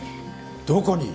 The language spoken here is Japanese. どこに？